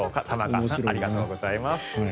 玉川さんありがとうございます。